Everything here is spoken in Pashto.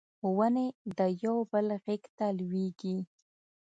ونې د یو بل غیږ ته لویږي